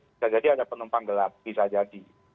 bisa jadi ada penumpang gelap bisa jadi